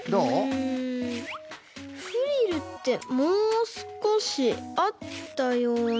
うんフリルってもうすこしあったような。